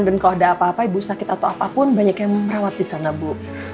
dan kalau ada apa apa ibu sakit atau apapun banyak yang merawat disana bu